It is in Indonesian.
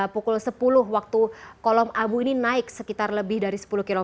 pukul sepuluh waktu kolom abu ini naik sekitar lebih dari sepuluh km